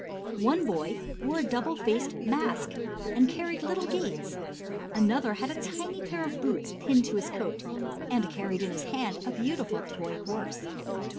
One boy wore a double faced mask and carried little gates; another had a tiny pair of boots pinned to his coat and carried in his hand a beautiful toy horse.